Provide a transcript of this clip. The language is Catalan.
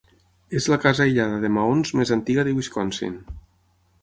És la casa aïllada de maons més antiga de Wisconsin.